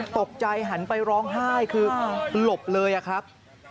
ตกใจหันไปร้องไห้คือหลบเลยอะครับ